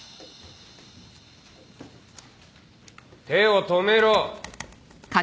手を止めろ。